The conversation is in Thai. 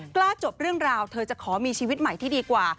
จบเรื่องราวเธอจะขอมีชีวิตใหม่ที่ดีกว่า